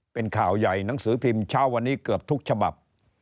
เป็นข่าวใหญ่หนังสือพิมพ์เช้าวันนี้เกือบทุกฉบับ